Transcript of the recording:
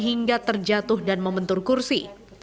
hingga terjatuh dan membentur kursi